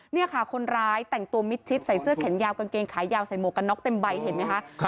นี่ค่ะคนร้ายแต่งตัวมิดชิดใส่เสื้อแขนยาวกางเกงขายาวใส่หมวกกันน็อกเต็มใบเห็นไหมคะ